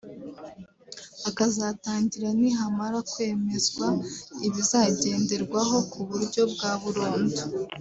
akazatangira nihamara kwemezwa ibizagenderwaho ku buryo bwa burundu